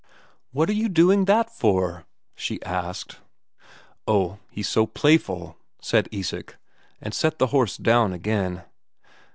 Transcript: "What are you doing that for?" she asked. "Oh, he's so playful," said Isak, and set the horse down again.